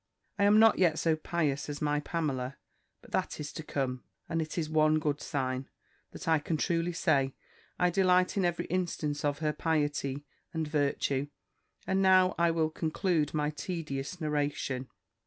I am not yet so pious as my Pamela; but that is to come; and it is one good sign, that I can truly say, I delight in every instance of her piety and virtue: and now I will conclude my tedious narration."